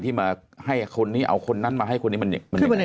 ที่มาให้คนนี้เอาคนนั้นมาให้คนนี้มันยังไง